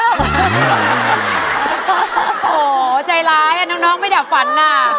โหใจร้ายอะน้องไม่ดับฝันอะ